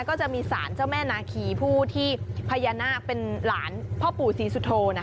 ก็จะมีสารเจ้าแม่นาคีผู้ที่พญานาคเป็นหลานพ่อปู่ศรีสุโธนะ